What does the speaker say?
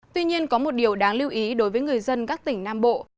tuy nhiên có một điều đáng lưu ý đối với người dân các tỉnh nam bộ